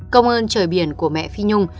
công ơn trời biển của mẹ phi nhung